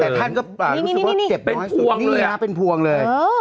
แต่ท่านก็รู้สึกว่าเจ็บน้อยสุดนี่นะเป็นพวงเลย